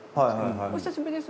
「お久しぶりです」